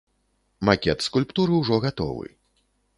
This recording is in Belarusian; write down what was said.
Макет скульптуры ўжо гатовы.